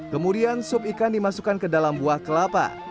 kemudian sup ikan dimasukkan ke dalam buah kelapa